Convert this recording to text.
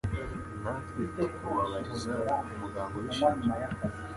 natwe tukubabariza muganga ubishinzwe